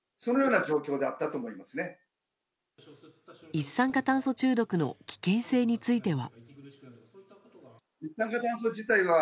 一酸化炭素中毒の危険性については。